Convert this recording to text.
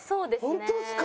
ホントですか！